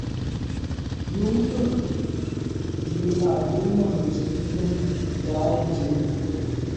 Nǔmmbə̂ nə làʼdə̌ mα̂nzə mɛ̀n tâ Dʉ̌’.